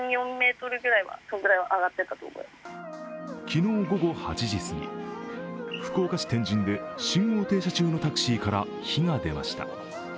昨日午後８時すぎ福岡市天神で信号停車中のタクシーから火が出ました。